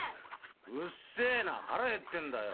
うっせえな、腹減ってんだよ。